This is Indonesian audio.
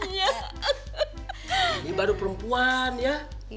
ini baru perempuan ya